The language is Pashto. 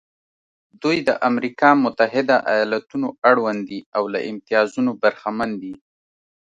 دوی د امریکا متحده ایالتونو اړوند دي او له امتیازونو برخمن دي.